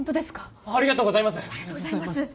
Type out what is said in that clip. ありがとうございます